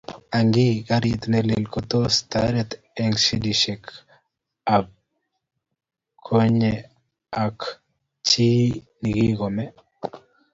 Ang ii! karit nelel kotos tareti eng shidait ab konye Ang chi nikikome?